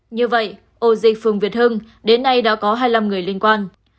như vậy ổ dịch phường việt hưng đến nay đã có hai mươi năm người liên quan